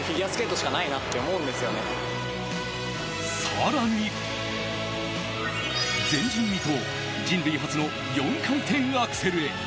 更に、前人未到人類初の４回転アクセルへ。